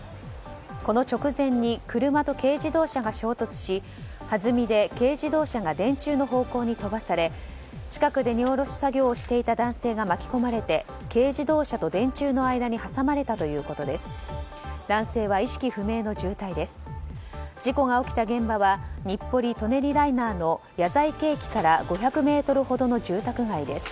この直前に車と軽自動車が衝突しはずみで軽自動車が電柱の方向に飛ばされ近くでに荷下し作業をしていた男性が巻き込まれて軽自動車と電柱の間に挟まれたということです。